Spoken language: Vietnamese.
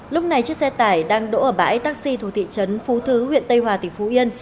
lúc này chiếc xe tải đang đỗ ở bãi taxi thuộc thị trấn phú thứ huyện tây hòa tỉnh phú yên